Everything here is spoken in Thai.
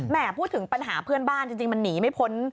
พูดถึงปัญหาเพื่อนบ้านจริงมันหนีไม่พ้น